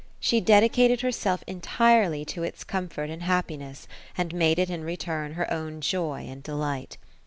She dedicated herself entirely to its comfort and happiness, and made it in return her own joy and delight.